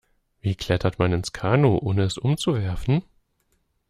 Wie klettert man ins Kanu, ohne es umzuwerfen?